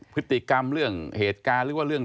พฤติกรรมเหตุการณ์